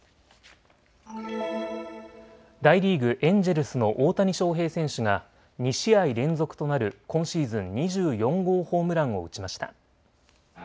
大リーグ、エンジェルスの大谷翔平選手が２試合連続となる今シーズン２４号ホームランを打ちました。